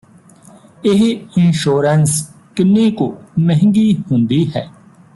ਇਹ ਇੰਸ਼ੋਰੈਂਸ ਕਿੰਨੀ ਕੁ ਮਹਿੰਗੀ ਹੁੰਦੀ ਹੈ